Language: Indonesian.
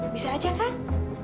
bisa aja kang